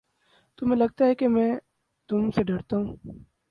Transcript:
تمہیں لگتا ہے میں تم سے ڈرتا ہوں؟